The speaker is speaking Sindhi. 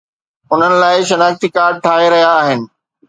انهن لاءِ شناختي ڪارڊ ٺاهي رهيا آهن